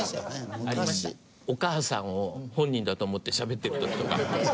お母さんを本人だと思ってしゃべってる時とか。